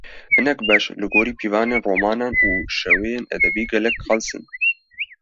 Hinek beş, li gor pîvanên romanan û şêweyên edebî gelek qels in